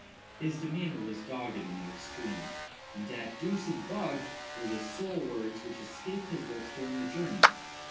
His demeanor was dogged in the extreme, and "dat deuced bug" were the sole words which escaped his lips during the journey.